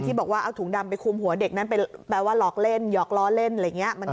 บอกว่าเอาถุงดำไปคุมหัวเด็กนั้นไปแปลว่าหลอกเล่นหยอกล้อเล่นอะไรอย่างนี้